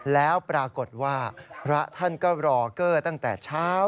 แล้วปรากฏว่าพระท่านก็รอเกอร์ตั้งแต่เช้า